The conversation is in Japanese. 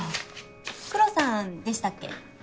クロさんでしたっけ？